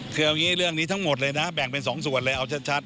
คือเอางี้เรื่องนี้ทั้งหมดเลยนะแบ่งเป็น๒ส่วนเลยเอาชัด